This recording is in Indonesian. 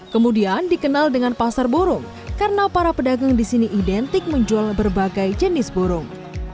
kemudian dikenal dengan pasar burung karena para pedagang di sini identik menjual berbagai jenis burung